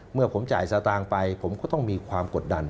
เมื่อผมจ่ายสตางค์ไปผมก็ต้องมีความกดดัน